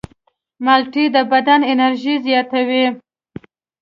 مالټې د بدن انرژي زیاتوي.